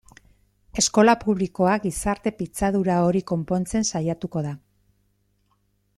Eskola publikoa gizarte pitzadura hori konpontzen saiatuko da.